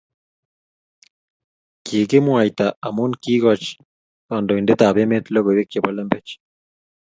Kikimwaita amu kiikoch kandoitetab emet logoiwek chebo lembech